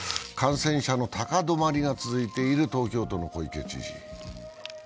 感染者の高止まりが続いている東京都の小池知事。